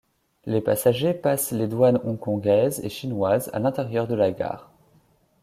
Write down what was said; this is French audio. Les passagers passent les douanes hongkongaises et chinoises à l'intérieur de la gare.